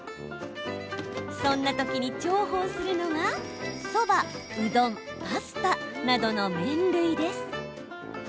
そんな時に重宝するのがそば、うどん、パスタなどの麺類です。